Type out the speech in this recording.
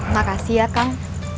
makasih ya kang